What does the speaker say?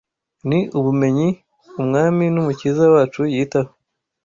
Ni ubumenyi Umwami n’Umukiza wacu yitaho;